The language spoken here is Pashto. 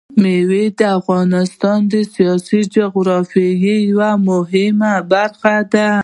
مېوې د افغانستان د سیاسي جغرافیه یوه مهمه برخه ده.